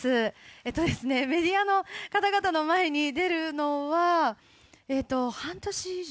えっとですね、メディアの方々の前に出るのは、半年以上。